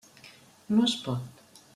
No es pot.